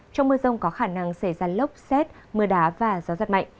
trong mưa rông có khả năng xảy ra lốc xét mưa đá và gió giật mạnh